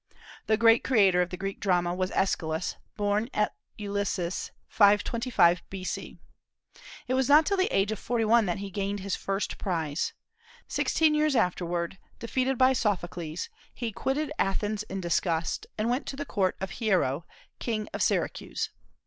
The great creator of the Greek drama was Aeschylus, born at Eleusis 525 B.C. It was not till the age of forty one that he gained his first prize. Sixteen years afterward, defeated by Sophocles, he quitted Athens in disgust and went to the court of Hiero, king of Syracuse.